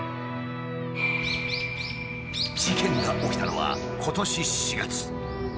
事件が起きたのは今年４月。